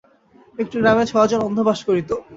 একটি গ্রামে ছয়জন অন্ধ বাস করিত।